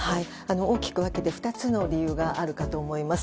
大きく分けて２つの理由があるかと思います。